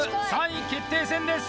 ３位決定戦です